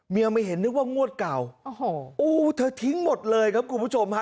ไม่เห็นนึกว่างวดเก่าโอ้โหเธอทิ้งหมดเลยครับคุณผู้ชมฮะ